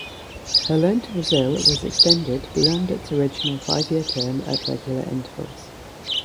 Her loan to Brazil was extended beyond its original five-year term at regular intervals.